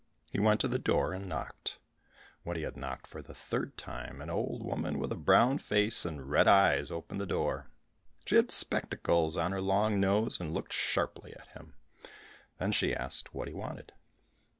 He went to the door and knocked. When he had knocked for the third time, an old woman with a brown face and red eyes opened the door. She had spectacles on her long nose, and looked sharply at him; then she asked what he wanted.